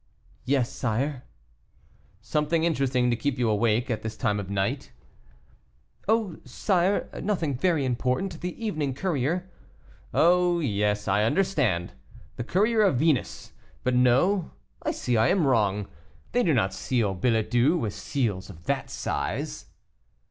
"Yes, sire." "Something interesting to keep you awake at this time of night?" "Oh, sire, nothing very important; the evening courier " "Oh, yes, I understand Courier of Venus; but no, I see I am wrong they do not seal billet doux with seals of that size."